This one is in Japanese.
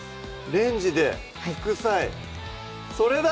レンジで副菜それだ！